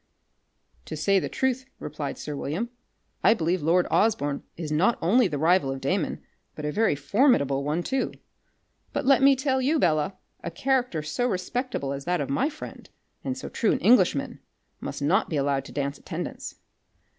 "To say the truth," replied sir William, "I believe lord Osborne is not only the rival of Damon, but a very formidable one too. But let me tell you, Bella, a character so respectable as that of my friend, and so true an Englishman, must not be allowed to dance attendance."